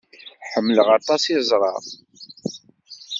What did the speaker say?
Ḥemmleɣ aṭas iẓra.